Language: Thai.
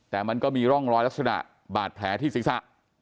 แต่มันก็มีร่องรอยลักษณะบาดแผลที่ศีรษะ